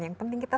yang penting kita